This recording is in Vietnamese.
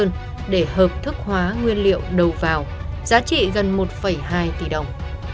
nguyên liệu đầu vào giá trị gần một hai tỷ đồng